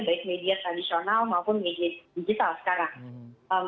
baik media tradisional maupun media digital sekarang